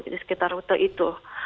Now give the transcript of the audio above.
di sekitar rute itu